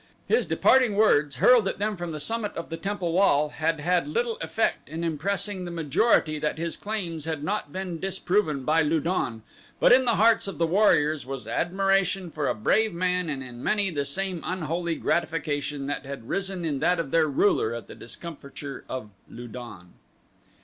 His departing words, hurled at them from the summit of the temple wall, had had little effect in impressing the majority that his claims had not been disproven by Lu don, but in the hearts of the warriors was admiration for a brave man and in many the same unholy gratification that had risen in that of their ruler at the discomfiture of Lu don.